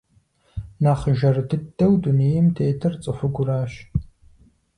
Нэхъ жэр дыдэу дунейм тетыр цӀыхугуращ.